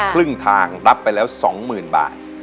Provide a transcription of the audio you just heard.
ครึ่งทางตับไปแล้วสองหมื่นบาท